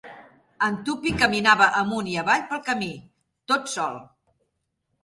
En Tuppy caminava amunt i avall pel camí, tot sol.